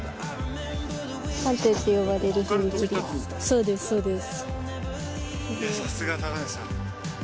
そうですそうです。